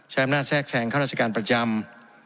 ใช้อำนาจแทรกแสงข้าราชการประจำ